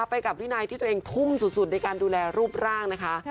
ไปกับวินัยที่ตัวเองทุ่มสุดในการดูแลรูปร่างนะคะ